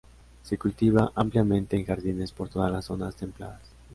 Se cultiva ampliamente en jardines por todas las zonas templadas.